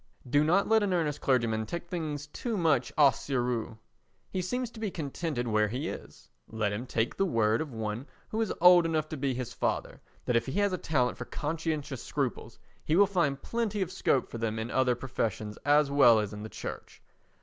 Do not let "An Earnest Clergyman" take things too much au sérieux. He seems to be contented where he is; let him take the word of one who is old enough to be his father, that if he has a talent for conscientious scruples he will find plenty of scope for them in other professions as well as in the Church.